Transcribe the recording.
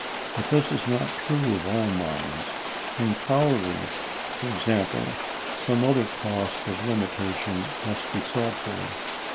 But this is not true of all mines. In collieries, for example, some other cause of limitation must be sought for.